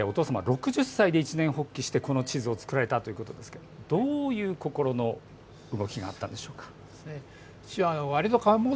お父様は６０歳で一念発起されて地図を作られたということですが、どういう心の動きがあったんでしょうか。